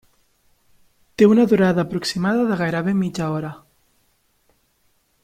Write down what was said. Té una durada aproximada de gairebé mitja hora.